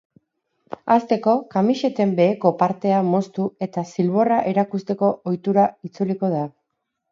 Hasteko, kamiseten beheko partea moztu eta zilborra erakusteko ohitura itzuliko da.